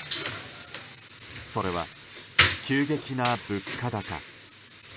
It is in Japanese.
それは、急激な物価高。